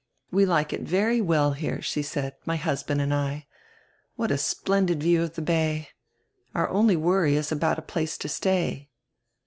"We like it very well here," she said, "my husband and I. What a splendid view of die bay! Our only worry is about a place to stay."